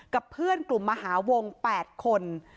กับเพื่อนกลุ่มมหาวง๘คน